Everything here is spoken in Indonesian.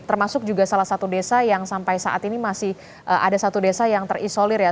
termasuk juga salah satu desa yang sampai saat ini masih ada satu desa yang terisolir ya